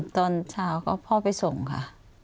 ตอนเช้าก็พ่อไปส่งค่ะ